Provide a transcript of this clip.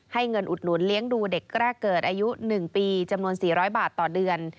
เงินอุดหนุนเลี้ยงดูเด็กแรกเกิดอายุ๑ปีจำนวน๔๐๐บาทต่อเดือน